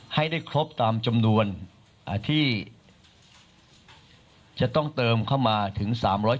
ให้ได้ครบตามจำนวนที่จะต้องเติมเข้ามาถึง๓๐